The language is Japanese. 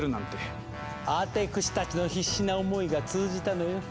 アテクシたちの必死な思いが通じたのよ。